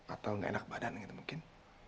atau nggak enak badan gitu mungkin